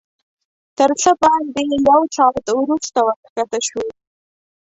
تر څه باندې یو ساعت وروسته ورښکته شوو.